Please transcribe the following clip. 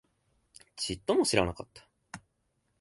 ちっとも知らなかった